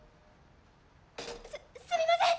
すっすみません！